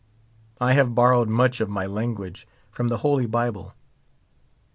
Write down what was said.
I have borrowed much of my lan guage from the Holy Bible.